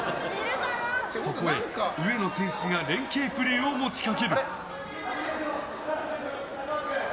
そこへ上野選手が連係プレーを持ち掛ける！